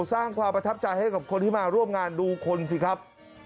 สร้างความประทับใจให้กับคนที่มาร่วมงานดูคนสิครับ